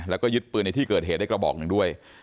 แล้วก็ยึดปืนในที่เกิดเหตุได้กระบอกหนึ่งด้วย